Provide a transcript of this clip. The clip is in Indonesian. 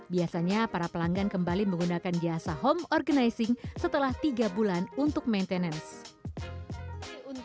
biasanya para pelanggan kembali menggunakan jasa home organizing setelah tiga bulan untuk maintenance